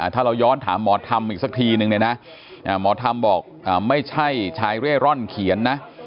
ถ้าเราย้อนถามหมอธรรมอีกสักทีนึงเนี่ยนะหมอธรรมบอกไม่ใช่ชายเร่ร่อนเขียนนะ